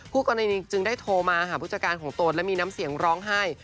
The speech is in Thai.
คู่กรณีจึงได้โทรมาหาผู้จัดการของตนและมีน้ำเสียงร้องไห้